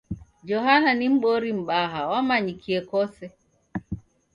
Johana ni m'bori mbaha, wamanyikie kose